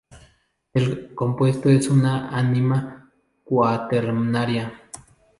El compuesto es una amina cuaternaria.